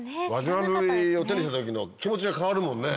輪島塗を手にした時の気持ちが変わるもんね